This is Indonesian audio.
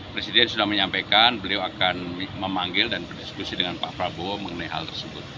presiden sudah menyampaikan beliau akan memanggil dan berdiskusi dengan pak prabowo mengenai hal tersebut